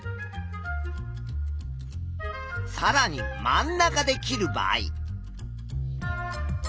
さらに真ん中で切る場合。